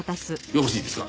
よろしいですか？